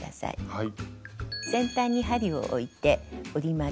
はい。